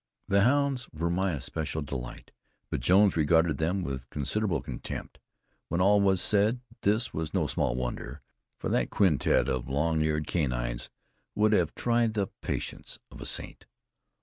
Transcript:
The hounds were my especial delight. But Jones regarded them with considerable contempt. When all was said, this was no small wonder, for that quintet of long eared canines would have tried the patience of a saint.